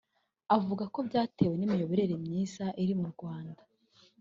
avuga ko byatewe n’imiyoborere myiza iri mu Rwanda